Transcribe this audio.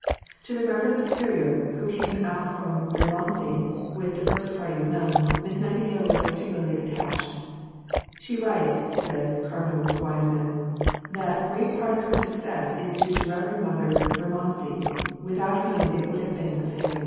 To the Reverend Superior, who came out from Bermondsey with the first party of nuns, Miss Nightingale was particularly attached. "She writes," said Cardinal Wiseman, "that great part of her success is due to Rev. Mother of Bermondsey, without whom it would have been a failure."